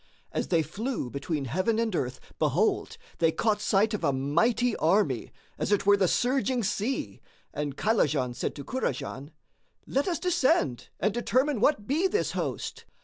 As they flew between heaven and earth, behold, they caught sight of a mighty army, as it were the surging sea, and Kaylajan said to Kurajan, "Let us descend and determine what be this host."